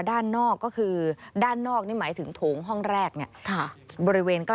สวัสดีค่ะสวัสดีค่ะสวัสดีค่ะ